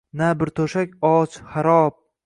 Na bir to’shak, och, xarob